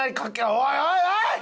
おいおいおい！